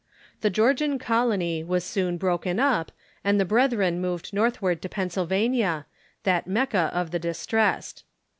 The Georgian colony was soon broken up, and the Brethren moved northward to Pennsylvania, that Mecca of the dis tressed.